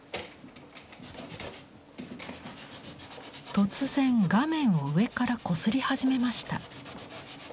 突然画面を上からこすり始めました。